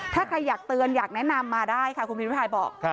ถ้าใครอยากเตือนอยากแนะนำมาได้ค่ะคุณพิมพิพายบอก